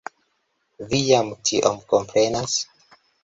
Vi jam tion komprenas?